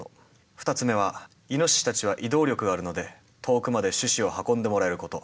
２つ目はイノシシたちは移動力があるので遠くまで種子を運んでもらえること。